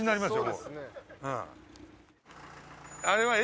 あれは駅。